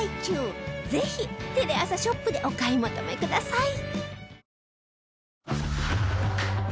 ぜひテレアサショップでお買い求めください